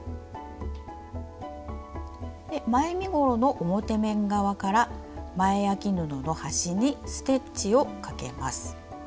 前身ごろの表面側から前あき布の端にステッチをかけます。